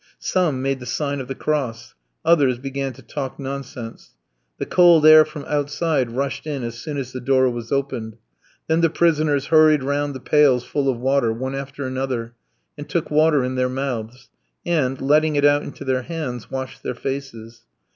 Some made the sign of the Cross; others began to talk nonsense. The cold air from outside rushed in as soon as the door was opened. Then the prisoners hurried round the pails full of water, one after another, and took water in their mouths, and, letting it out into their hands, washed their faces.